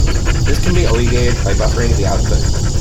This can be alleviated by buffering the output.